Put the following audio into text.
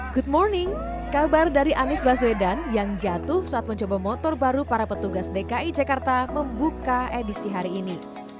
good morning kabar dari anies baswedan yang jatuh saat mencoba motor baru para petugas dki jakarta membuka edisi hari ini